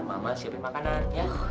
mama siapin makanan ya